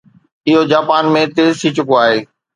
اهو جاپان ۾ تيز ٿي چڪو آهي